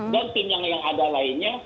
dan tim yang ada lainnya